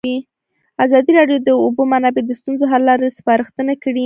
ازادي راډیو د د اوبو منابع د ستونزو حل لارې سپارښتنې کړي.